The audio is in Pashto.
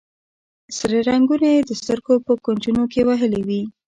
سره رنګونه یې د سترګو په کونجونو کې وهلي وي.